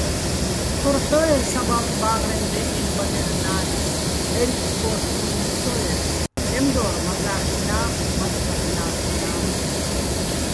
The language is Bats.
ქორ ჰ̦ო́ერ საბავშვ ბა́ღრეჼ დე́ჸენო̆ ბადერ ნა́ნას, აჲრკი̆ ქო́რთო̆ ბილლითო́ერ, წემდო́რ მაწა́ხინა́, მაწ გაგნა́ხინა́.